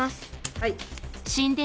はい。